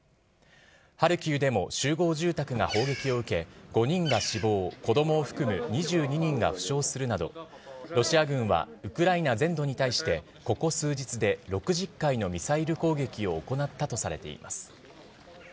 ハルキウでも集合住宅が砲撃を受け、５人が死亡、子どもを含む２２人が負傷するなど、ロシア軍はウクライナ全土に対して、ここ数日で６０回のミサイル攻撃を行ったとされています。